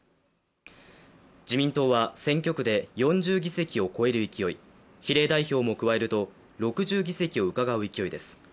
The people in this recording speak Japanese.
自民党は選挙区で４０議席を超える勢い比例代表も加えると６０議席をうかがう勢いです